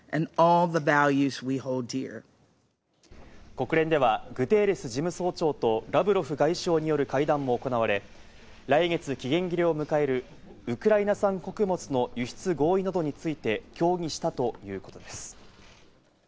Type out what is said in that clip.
国連ではグテーレス事務総長とラブロフ外相による会談も行われ、来月、期限切れを迎える、ウクライナ産穀物の輸出合意などについて、協議したということです。